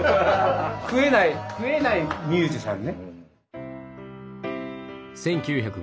食えないミュージシャンね。